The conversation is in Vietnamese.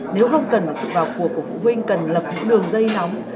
nếu không cần sự vào cuộc của phụ huynh cần lập những đường dây nóng